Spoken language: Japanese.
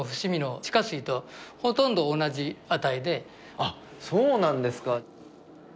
あっそうなんですか！